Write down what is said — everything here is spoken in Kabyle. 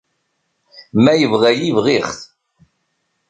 Ma yebɣa-yi bɣiɣ-t.